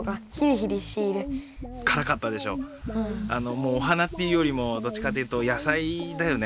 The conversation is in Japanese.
もうお花っていうよりもどっちかっていうと野菜だよね。